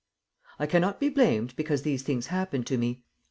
I cannot be blamed because these things happen to me.